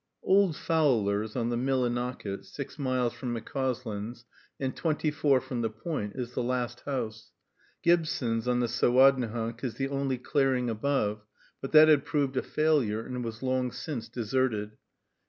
Old Fowler's, on the Millinocket, six miles from McCauslin's, and twenty four from the Point, is the last house. Gibson's, on the Sowadnehunk, is the only clearing above, but that had proved a failure, and was long since deserted.